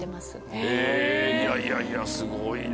へぇいやいやすごいな。